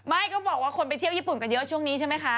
ก็บอกว่าคนไปเที่ยวญี่ปุ่นกันเยอะช่วงนี้ใช่ไหมคะ